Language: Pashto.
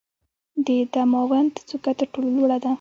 د دماوند څوکه تر ټولو لوړه ده.